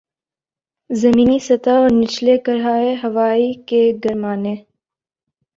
زمینی سطح اور نچلے کرۂ ہوائی کے گرمانے